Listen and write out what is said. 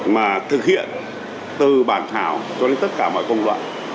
mà thực hiện từ bản thảo cho đến tất cả mọi công đoạn